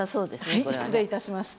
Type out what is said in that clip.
はい失礼いたしました。